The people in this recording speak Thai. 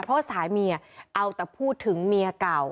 เพราะสายเมียเอาแต่พูดถึงเมียเก่า